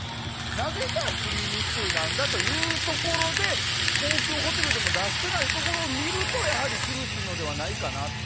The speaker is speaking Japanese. なぜじゃあクリームシチューなんだというところでホテルでも出してないところを見るとやはり苦しいのではないかなと。